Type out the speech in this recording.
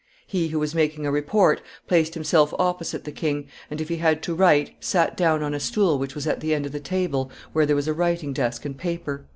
He who was making a report placed himself opposite the king, and, if he had to write, sat down on a stool which was at the end of the table where there was a writing desk and paper."